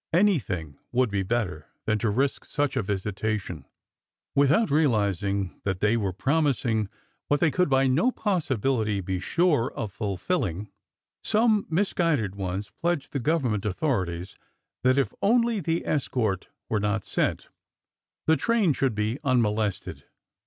Anything would be better than to risk such a visitation. Without 202 ORDER NO. 11 realizing that they were promising what they could by no possibility be sure of fulfilling, some misguided ones pledged the government authorities that if only the escort were not sent, the train should be unmolested.